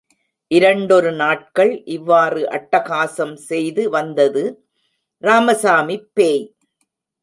இரண்டொரு நாட்கள் இவ்வாறு அட்ட காசம் செய்து வந்தது ராமசாமிப் பேய்.